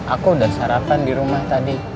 aku udah sarapan di rumah tadi